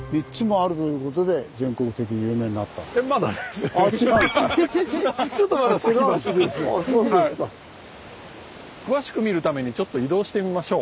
あそうですか。詳しく見るためにちょっと移動してみましょう。